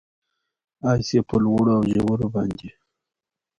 اس یې په لوړو اوژورو باندې،